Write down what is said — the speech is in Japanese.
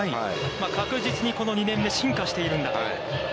確実にこの２年目、進化しているんだと。